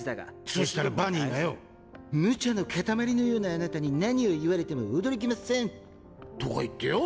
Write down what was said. そしたらバニーがよ「無茶の塊のようなアナタに何を言われても驚きません」とか言ってよ。